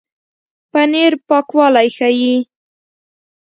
پنېر پاکوالی ښيي.